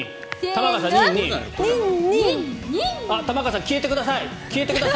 玉川さん消えてください。